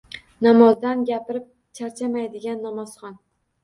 Namozdan gapirib charchamaydigan namozxon.